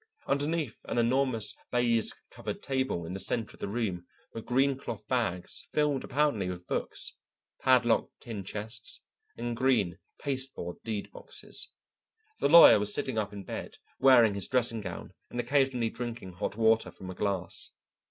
Underneath an enormous baize covered table in the centre of the room were green cloth bags filled apparently with books, padlocked tin chests, and green pasteboard deed boxes. The lawyer was sitting up in bed, wearing his dressing gown and occasionally drinking hot water from a glass.